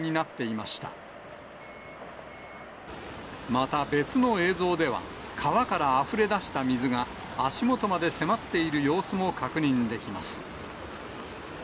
また、別の映像では、川からあふれ出した水が足元まで迫っている様子も確認できます。